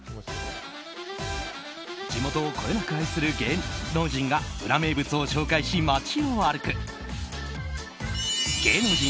地元をこよなく愛する芸能人がウラ名物を紹介し街を歩く芸能人